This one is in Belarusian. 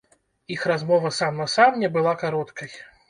Іх размова сам на сам не была кароткай.